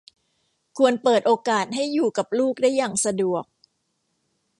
ควรเปิดโอกาสให้อยู่กับลูกได้อย่างสะดวก